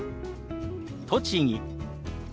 「栃木」。